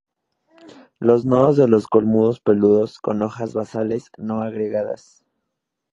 Los nodos de los culmos peludos con hojas basales no agregadas.